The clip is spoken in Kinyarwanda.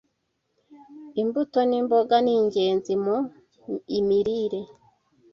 Imbuto nimboga ningenzi mu imirire